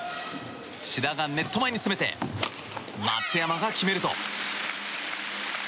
志田がネット前に詰めて松山が決めると。